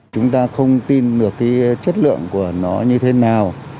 chúng ta không tin được cái chất lượng của nó như thế nào